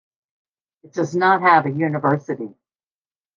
It does not have a university.